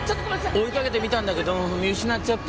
追いかけてみたんだけど見失っちゃって。